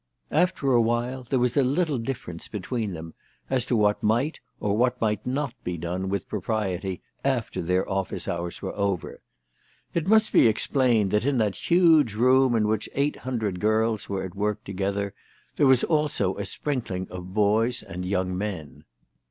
After awhile, there was a little difference between them as to what might or what might not be done with propriety after their office hours were over. It must be explained that in that huge room in which eight hundred girls were at work together, there was also a sprinkling of boys and young men.